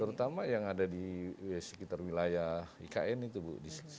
terutama yang ada di sekitar wilayah ikn itu bu